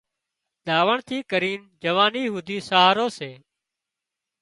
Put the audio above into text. ڌاوڻ ٿِي ڪرينَ جوانِي هوڌي سهارو سي